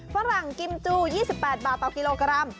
ฝรั่งกิมจู๒๘บาทต่อกิโลกรัม